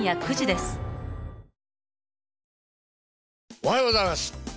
おはようございます。